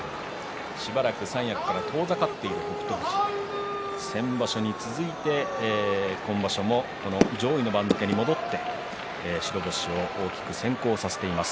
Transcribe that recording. しばらく三役から遠ざかっている北勝富士、先場所に続いて今場所も上位の番付に戻って白星を大きく先行させています。